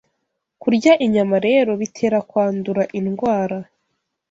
Kurya inyama rero bitera kwandura indwara.